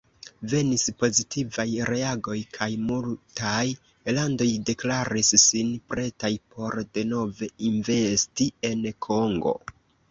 Venis pozitivaj reagoj kaj multaj landoj deklaris sin pretaj por denove investi en Kongo.